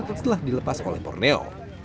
setelah dilepas oleh borneo